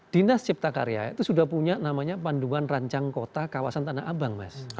dinas cipta karya itu sudah punya namanya panduan rancang kota kawasan tanah abang mas